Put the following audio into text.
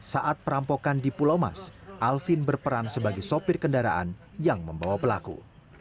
saat perampokan di pulau mas alvin berperan sebagai sopir kendaraan yang membawa pelaku